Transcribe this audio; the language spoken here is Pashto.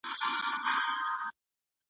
پر مېړه یو کال خواري وي، پر سپي سړي همېشه